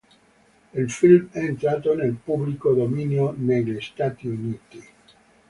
Il film è entrato nel pubblico dominio negli Stati Uniti.